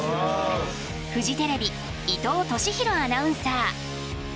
フジテレビ伊藤利尋アナウンサー。